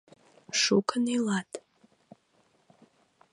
— Шукын илат.